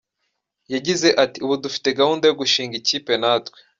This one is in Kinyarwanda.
Yagize ati “Ubu dufite gahunda yo gushinga ikipe natwe.